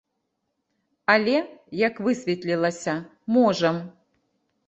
Але, як высветлілася, можам!